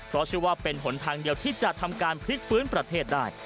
เพราะเชื่อว่าเป็นหนทางเดียวที่จะทำการพลิกฟื้นประเทศได้